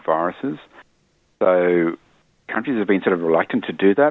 jadi negara negara telah bergantung untuk melakukan itu